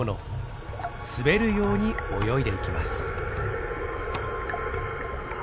滑るように泳いでいきます。